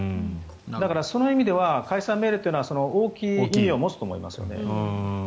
だからその意味では解散命令というのは大きな意味を持つと思います。